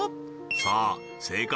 さあ正解